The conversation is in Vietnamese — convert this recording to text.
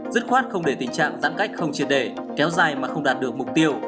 dứt khoát không để tình trạng giãn cách không triệt để kéo dài mà không đạt được mục tiêu